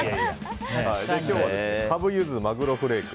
今日はカブ、ユズ、マグロフレーク。